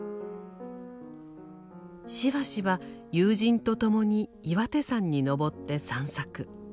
しばしば友人と共に岩手山に登って散策。